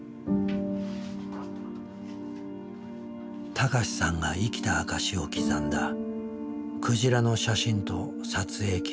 孝さんが生きた証しを刻んだクジラの写真と撮影記録。